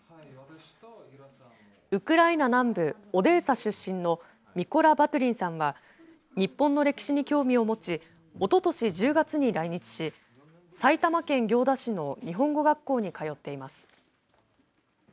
ウクライナ南部オデーサ出身のミコラ・バトゥリンさんは日本の歴史に興味を持ちおととし１０月に来日し埼玉県行田市の日本語学校に通っています。